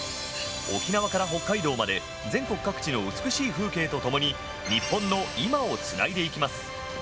沖縄から北海道まで全国各地の美しい風景とともに日本の今をつないでいきます。